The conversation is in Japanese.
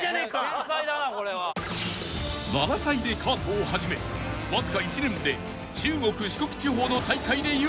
［７歳でカートを始めわずか１年で中国・四国地方の大会で優勝］